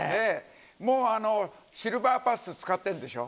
もうあのシルバーパス使ってんでしょ？